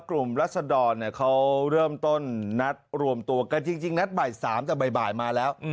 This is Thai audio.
รัศดรเขาเริ่มต้นนัดรวมตัวกันจริงนัดบ่าย๓แต่บ่ายมาแล้ว